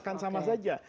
kan sama saja